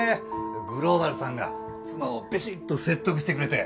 グローバルさんが妻をびしっと説得してくれて。